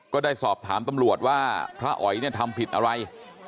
ก็ได้สอบถามตำรวจว่าพระอ๋อยเนี่ยทำผิดอะไร